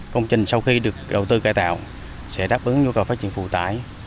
công trình sau khi được đầu tư cải tạo sẽ đáp ứng nhu cầu phát triển phụ tải